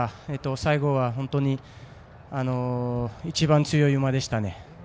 最後は本当に一番強い馬でしたね。